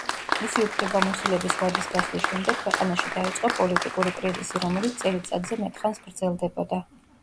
მისი უფლებამოსილების ვადის გასვლის შემდეგ ქვეყანაში დაიწყო პოლიტიკური კრიზისი, რომელიც წელიწადზე მეტ ხანს გრძელდებოდა.